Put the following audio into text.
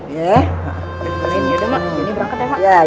ya udah mak jonny berangkat ya mak